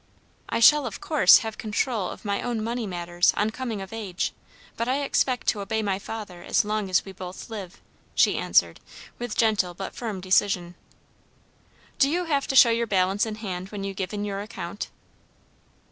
"I shall of course have control of my own money matters on coming of age; but I expect to obey my father as long as we both live," she answered, with gentle but firm decision. "Do you have to show your balance in hand when you give in your account?"